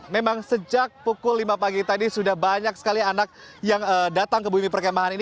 memang sejak pukul lima pagi tadi sudah banyak sekali anak yang datang ke bumi perkembangan ini